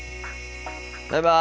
バイバイ。